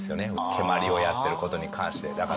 蹴鞠をやってることに関してだから。